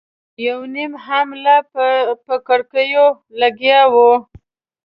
یو نيم هم لا په کړکيو لګیا و.